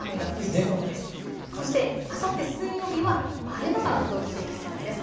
そしてあさって水曜日は晴れ間が戻ってきそうです。